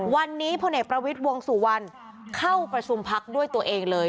วันนี้พลเอกประวิทย์วงสุวรรณเข้าประชุมพักด้วยตัวเองเลย